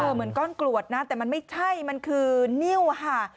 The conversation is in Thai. เหมือนก้อนกรวดนะแต่มันไม่ใช่มันคือนิ้วค่ะ